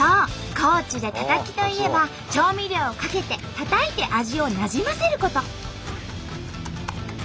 高知でタタキといえば調味料をかけてたたいて味をなじませること。